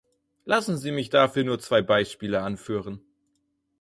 Lassen Sie mich dafür nur zwei Beispiele anführen.